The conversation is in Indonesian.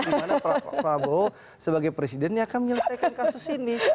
dimana pak prabowo sebagai presiden yang akan menyelesaikan kasus ini